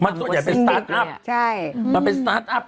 มันส่วนใหญ่เป็นสตาร์ทอัพ